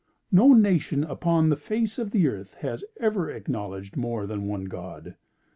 "No nation upon the face of the earth has ever acknowledged more than one god.